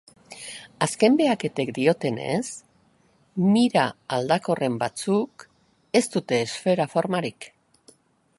Azken behaketek diotenez, Mira aldakorren batzuk ez dute esfera formarik.